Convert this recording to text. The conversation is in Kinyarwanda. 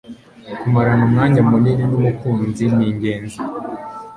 Kumarana umwanya munini n'umukunzi ningenzi